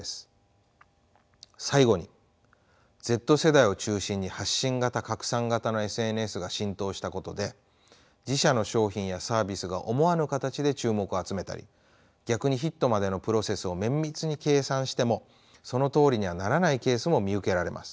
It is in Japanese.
最後にＺ世代を中心に発信型拡散型のＳＮＳが浸透したことで自社の商品やサービスが思わぬ形で注目を集めたり逆にヒットまでのプロセスを綿密に計算してもそのとおりにはならないケースも見受けられます。